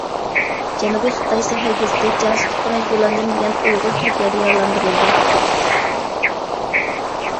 جەنۇبىي خىتاي سەھەر گېزىتى: «جاسۇسلۇققا مەجبۇرلاندىم» دېگەن ئۇيغۇر تۈركىيەدە يارىلاندۇرۇلدى.